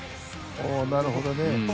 おおなるほどね。